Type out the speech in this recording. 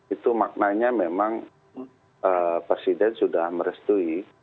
itu maknanya memang presiden sudah merestui